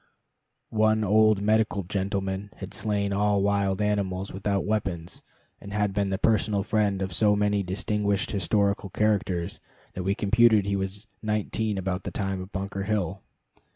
One old medical gentleman had slain all wild animals without weapons, and had been the personal friend of so many distinguished historical characters that we computed he was nineteen about the time of Bunker Hill.